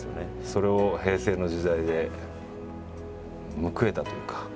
それを平成の時代で報えたというか。